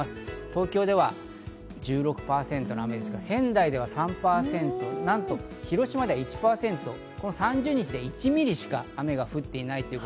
東京では１６％、仙台では３％、なんと広島では１％、３０日で１ミリしか雨が降っていない。